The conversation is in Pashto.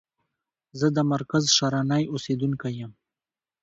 زه د مرکز شرنی اوسیدونکی یم.